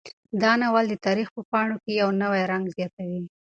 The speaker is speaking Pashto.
دا ناول د تاریخ په پاڼو کې یو نوی رنګ زیاتوي.